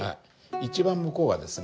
一番向こうはですね